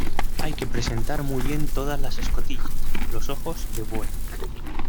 hay que presentar muy bien todas las escotillas, los ojos de buey